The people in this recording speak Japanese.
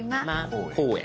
「公園」。